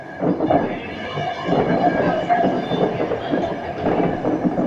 Eire mwaka elfu moja mia nane themanini